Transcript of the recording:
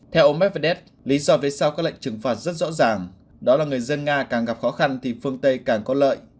theo ông medvedev lý do về sau các lệnh trừng phạt rất rõ ràng đó là người dân nga càng gặp khó khăn thì phương tây càng có lợi